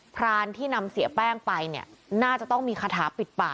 พรานที่นำเสียแป้งไปเนี่ยน่าจะต้องมีคาถาปิดป่า